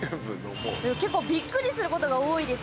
結構びっくりすることが多いです。